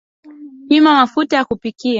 Pima mafuta ya kupikia